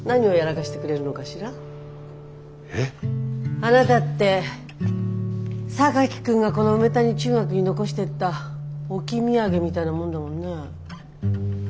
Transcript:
あなたって榊君がこの梅谷中学に残してった置き土産みたいなもんだもんね。